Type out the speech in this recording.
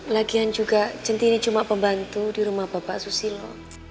lagian juga jentiri cuma pembantu di rumah bapak susilo